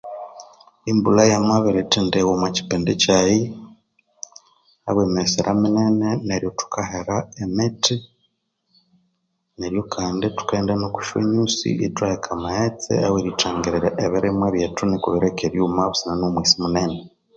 Embulha yamabirithendiwa omokipindi kyaye ahabwemighesera minene neryo thukahera amiti neryo Kandi thukaghenda okoshyonyusi ithwaheka amaghetse aweryundangirira ebirimwa byethu nuko birikeryuma busana nomwesi munene